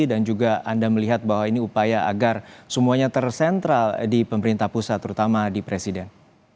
dan juga anda melihat bahwa ini upaya agar semuanya tersentral di pemerintah pusat terutama di presiden